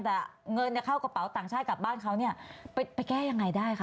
แต่เงินเข้ากระเป๋าต่างชาติกลับบ้านเขาเนี่ยไปแก้ยังไงได้คะ